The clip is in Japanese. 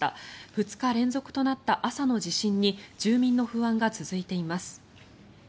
２日連続となった朝の地震に住民の不安が続いています。